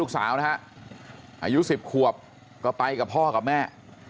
เห็นมั้ยลูกสาวนะคะอายุ๑๐ควบก็ไปกับพ่อกับแม่